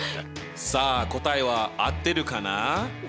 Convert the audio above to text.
さあ答えは合ってるかな？